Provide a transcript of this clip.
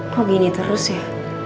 kok gini terus ya